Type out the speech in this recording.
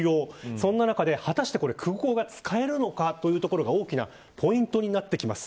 そんな中で、果たして空港が使えるのかというところが大きなポイントとなってきます。